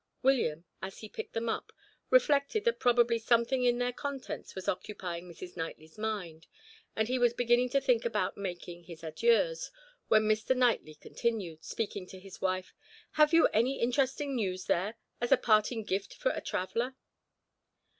William, as he picked them up, reflected that probably something in their contents was occupying Mrs. Knightley's mind; and he was beginning to think about making his adieux, when Mr. Knightley continued, speaking to his wife: "Have you any interesting news there, as a parting gift for a traveler?"